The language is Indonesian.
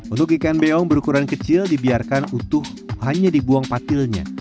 untuk ikan beong berukuran kecil dibiarkan utuh hanya dibuang patilnya